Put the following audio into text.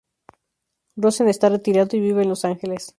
Rosen está retirado y vive en Los Angeles.